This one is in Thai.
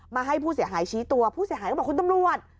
มาให้ผู้เสียหายชี้ตัวผู้เสียหายก็บอกคุณตำรวจ